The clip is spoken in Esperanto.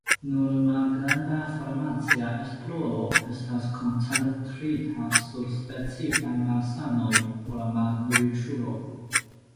Nur malgranda farmacia esploro estas koncentrita sur specifaj malsanoj por la malriĉuloj.